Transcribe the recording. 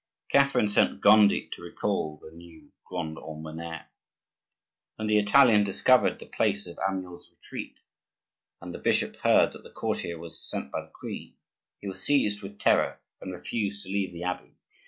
Catherine sent Gondi to recall the new grand almoner. When the Italian discovered the place of Amyot's retreat, and the bishop heard that the courtier was sent by the queen, he was seized with terror and refused to leave the abbey.